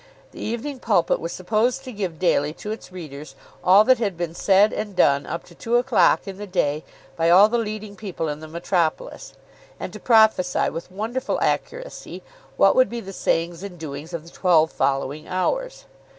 The "Evening Pulpit" was supposed to give daily to its readers all that had been said and done up to two o'clock in the day by all the leading people in the metropolis, and to prophesy with wonderful accuracy what would be the sayings and doings of the twelve following hours.